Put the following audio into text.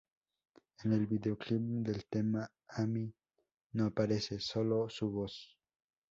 En el videoclip del tema, Amy no aparece, sólo su voz.